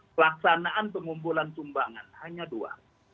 pelaksanaan pengumpulan sumbangan hanya dua